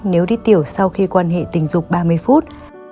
nếu đi tiểu sau khi quan hệ tình dục ba mươi phút